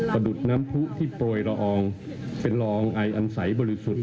ดุดน้ำผู้ที่โปรยละอองเป็นรองไออันใสบริสุทธิ์